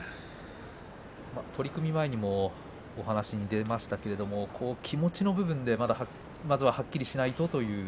取組前にもお話が出ましたけれども気持ちの部分でまずははっきりしないとという。